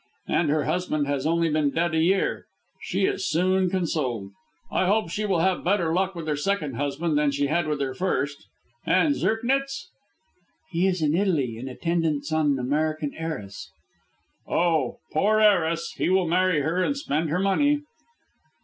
And her husband has only been dead a year! She is soon consoled. I hope she will have better luck with her second husband than she had with her first. And Zirknitz?" "He is in Italy, in attendance on an American heiress." "Oh, poor heiress! He will marry her and spend her money."